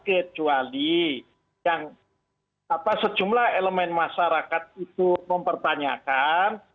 kecuali yang sejumlah elemen masyarakat itu mempertanyakan